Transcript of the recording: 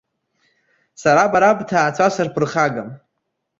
Сара бара бҭаацәа сырԥырхагам.